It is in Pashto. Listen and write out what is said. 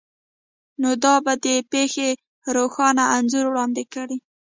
نو دا به د پیښې روښانه انځور وړاندې کړي